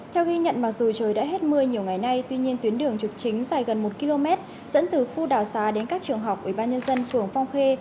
theo ghi nhận mặc dù trời đã hết mưa nhiều ngày nay tuy nhiên tuyến đường trục chính dài gần một km dẫn từ khu đào xa đến các trường học ủy ban nhân dân phường phong khê